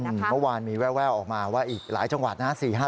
เมื่อวานมีแววออกมาว่าอีกหลายจังหวัดนะ